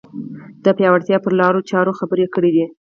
د پیاوړتیا پر لارو چارو خبرې کړې دي